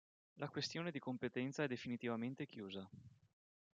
La questione di competenza è definitivamente chiusa.